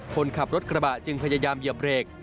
คนขับรถกระบะจึงพยายามเหยียบเบรก